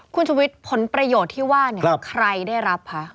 คุณชุวิตผลประโยชน์ที่ว่าเนี่ยใครได้รับคะ